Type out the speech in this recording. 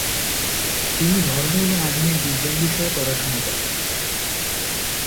তিনি ধর্ম ও আধুনিক বিজ্ঞান বিষয়ে পড়াশুনা করেন।